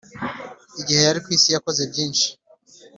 Igihe yari ku isi yakoze byinshi